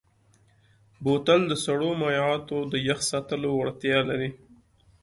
بوتل د سړو مایعاتو د یخ ساتلو وړتیا لري.